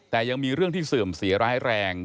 แต่ยังมีเรื่องที่เสื่อมเสียร้ายแรง